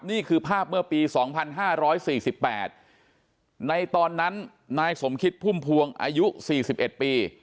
นี่คือภาพเมื่อปีสองพันห้าร้อยสี่สิบแปดในตอนนั้นนายสมคิตพุ่มพวงอายุสี่สิบเอ็ดปี